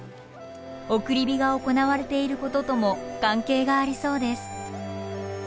送り火が行われていることとも関係がありそうです。